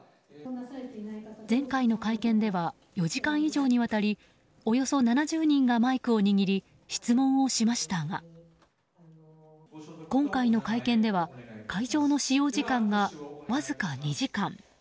前回の会見では４時間以上にわたりおよそ７０人がマイクを握り質問をしましたが今回の会見では会場の使用時間がわずか２時間。